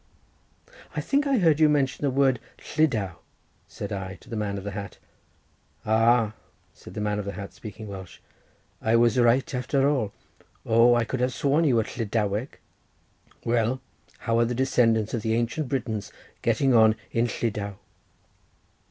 "I think I heard you mention the word Llydaw?" said I to the man of the hat. "Ah," said the man of the hat, speaking Welsh, "I was right after all; oh, I could have sworn you were Llydaweg. Well, how are the descendants of the ancient Britons getting on in Llydaw?"